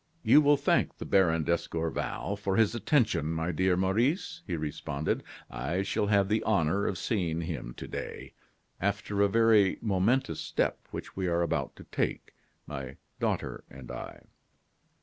"You will thank the Baron d'Escorval for his attention, my dear Maurice," he responded. "I shall have the honor of seeing him to day, after a very momentous step which we are about to take, my daughter and I."